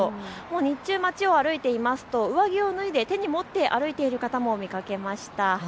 日中、街を歩いていますと上着を脱いで手に持って歩いている方も見かけました。